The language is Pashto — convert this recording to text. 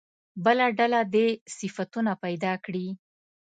بله ډله دې صفتونه پیدا کړي.